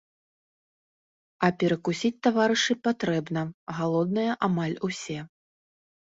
А перакусіць, таварышы, патрэбна, галодныя амаль усе.